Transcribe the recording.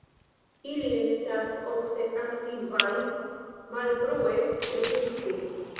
Ili estas ofte aktivaj malfrue krepuske.